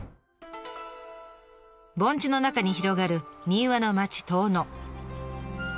盆地の中に広がる民話の町遠野。